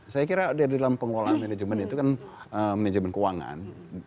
saya kira di dalam pengelolaan manajemen itu kan manajemen keuangan